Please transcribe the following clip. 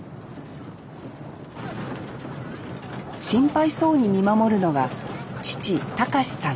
心配そうに見守るのが父隆志さん。